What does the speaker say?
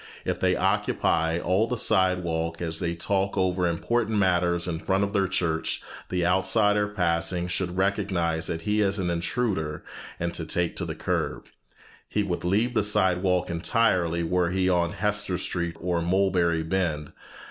If they occupy all the sidewalk as they talk over important matters in front of their church, the outsider passing should recognize that he is an intruder and take to the curb. He would leave the sidewalk entirely were he on Hester Street or Mulberry Bend.